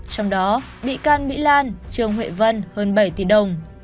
trong đó bị can mỹ lan trương huệ vân hơn bảy tỷ đồng